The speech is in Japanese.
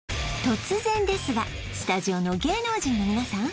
突然ですがスタジオの芸能人の皆さん